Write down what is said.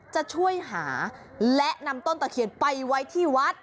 จะช่วยหาและนำต้นตะเคียนไปไว้ที่วัด